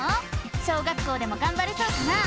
小学校でもがんばれそうかな？